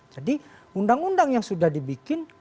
jadi undang undang yang sudah dibikin